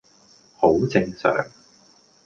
好正常